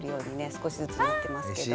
少しずつなってますけど。